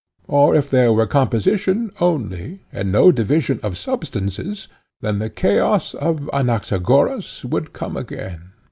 Or if there were composition only, and no division of substances, then the chaos of Anaxagoras would come again.